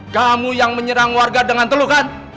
kamu yang menyerang warga dengan teluh kan